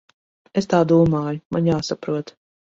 Es tā domāju. Man jāsaprot.